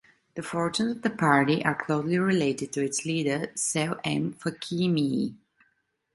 The fortunes of the party are closely related to its leader Cehl M. Fakeemeeah.